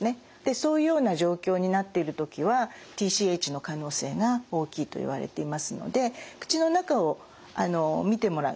そういうような状況になってる時はＴＣＨの可能性が大きいといわれていますので口の中を見てもらう。